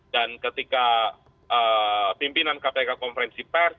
dan ketika pimpinan kpk konferensi pers